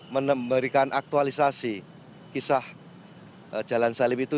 memberikan aktualisasi kisah jalan salib itu